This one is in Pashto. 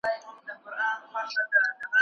ټولنیز نهادونه د خلکو د ګډو کړنو پایله ده.